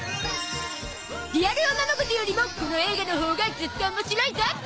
リアルおままごとよりもこの映画のほうがずっと面白いゾ！